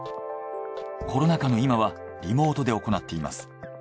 コロナ禍の今はリモートで行っています。